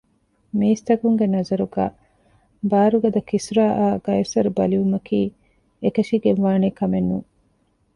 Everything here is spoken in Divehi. މީސްތަކުންގެ ނަޒަރުގައި ބާރުގަދަ ކިސްރާއާ ޤައިޞަރު ބަލިވުމަކީ އެކަށީގެންވާނޭ ކަމެއްނޫން